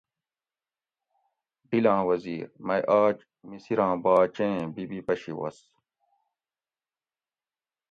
ڈیلاں وزیر، مئ آج مصراں باچیں بی بی پشی وس،